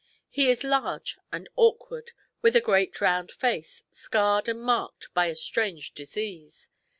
He is large and awkward, with a great round face, scarred and marked by a strange disease.